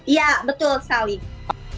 iya betul sekali